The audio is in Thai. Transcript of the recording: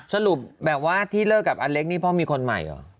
สรุปแบบว่าที่เลิกกับอเล็กนี่พ่อมีคนใหม่เหรอ